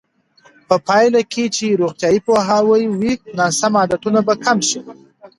په پایله کې چې روغتیایي پوهاوی وي، ناسم عادتونه به کم شي.